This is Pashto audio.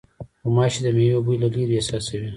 غوماشې د مېوې بوی له لېرې احساسوي.